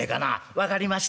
「分かりました。